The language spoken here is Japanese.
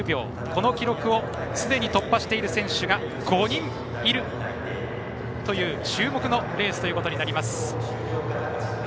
この記録をすでに突破している選手が５人いるという注目のレースとなります。